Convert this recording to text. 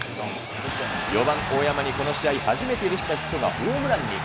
４番大山に、この試合初めて許したヒットがホームランに。